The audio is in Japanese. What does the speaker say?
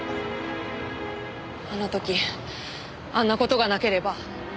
あの時あんな事がなければ。